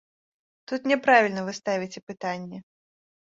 Тут няправільна вы ставіце пытанне.